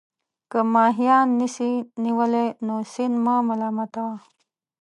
که ماهيان نسې نيولى، نو سيند مه ملامت وه.